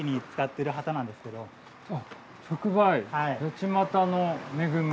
ちまたの恵み」。